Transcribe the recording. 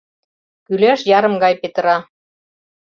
Кӱляш ярым гай петыра.